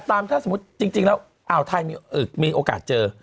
ถ้าสมมุติจริงแล้วอ่าวไทยมีโอกาสเจอ